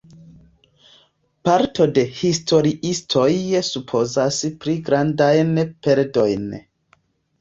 Parto de historiistoj supozas pli grandajn perdojn.